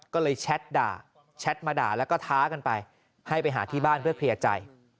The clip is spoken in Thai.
ก็เลยแชทด่าแชทมาด่าแล้วก็ท้ากันไปให้ไปหาที่บ้านเพื่อเคลียร์ใจ